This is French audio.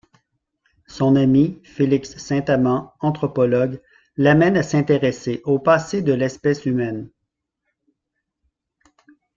Son ami, Félix Saint-Amand, anthropologue, l'amène à s'intéresser au passé de l'espèce humaine.